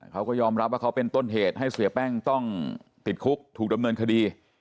เขาก็ยอมรับว่าเขาเป็นต้นเหตุให้เสียแป้งต้องติดคุกถูกดำเนินคดี